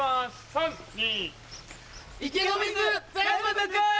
３・２。